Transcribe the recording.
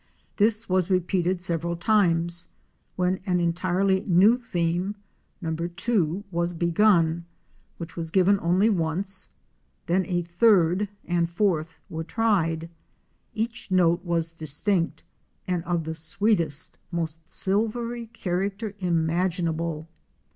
This was repeated several times, when an entirely new theme (II) was begun, which was given only once, then a third (III) and fourth were tried. Each note was distinct, and of the sweetest, most silvery character imaginable.